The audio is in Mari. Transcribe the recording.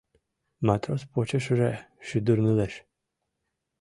Матрос почешыже шӱдырнылеш.